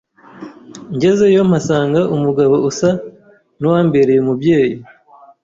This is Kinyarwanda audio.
ngezeyo mpasanga umugabo usa n’uwambereye umubyeyi,